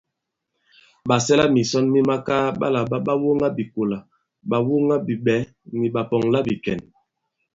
Ɓàsɛlamìsɔn mi makaa ɓa làɓa ɓàwoŋabìkolà, ɓàwoŋabiɓɛ̌ ni ɓàpɔ̀ŋlabìkɛ̀n.